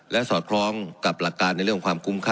และสอดคล้องกับหลักการในเรื่องความคุ้มค่า